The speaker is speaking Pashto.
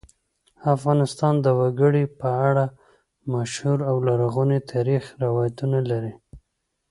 افغانستان د وګړي په اړه مشهور او لرغوني تاریخی روایتونه لري.